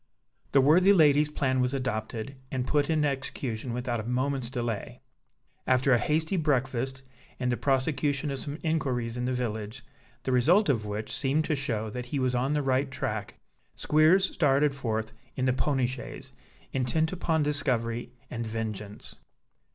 The worthy lady's plan was adopted and put in execution without a moment's delay. After a hasty breakfast, and the prosecution of some inquiries in the village, the result of which seemed to show that he was on the right track, Squeers started forth in the pony chaise, intent upon discovery and vengeance.